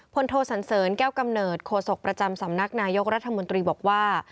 โทสันเสริญแก้วกำเนิดโคศกประจำสำนักนายกรัฐมนตรีบอกว่า